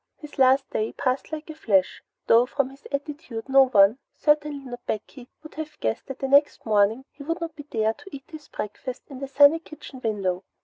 His last day passed like a flash, though from his attitude no one, certainly not Becky, would have guessed that the next morning he would not be there to eat his breakfast in the sunny kitchen window.